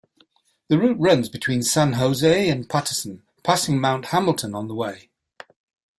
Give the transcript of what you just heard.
The route runs between San Jose and Patterson, passing Mount Hamilton on the way.